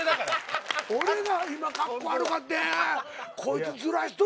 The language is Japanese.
俺が今カッコ悪かってこいつずらしとるわ思うて。